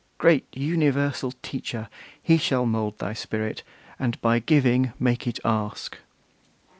Great universal Teacher! he shall mould Thy spirit, and by giving make it ask.